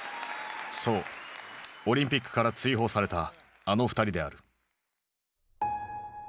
そうオリンピックから追放されたあの２人である。